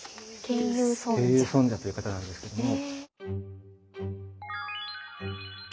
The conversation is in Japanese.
慶友尊者という方なんですけども。